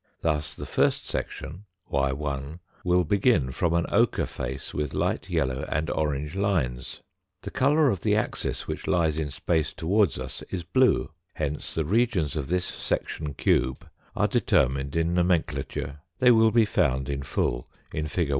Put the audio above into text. Thus, the first section, y lt will begin from an ochre face with light yellow and orange lines. The colour of the axis which lies in space towards us is blue, hence the regions of this section cube are determined in nomenclature, they will be found in full in fig.